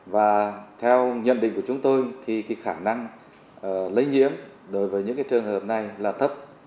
và theo nhận định của chúng tôi thì khả năng lây nhiễm đối với những trường hợp này là thấp